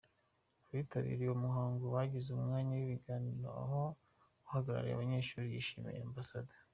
Abitabiriye uwo muhango bagize umwanya w’ibiganiro, aho uhagarariye abanyeshuri yashimiye Amb.